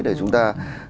để chúng ta